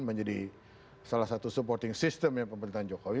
menjadi salah satu supporting system ya pemerintahan jokowi